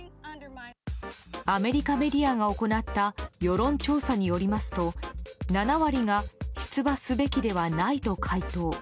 アメリカメディアが行った世論調査によりますと７割が出馬すべきではないと回答。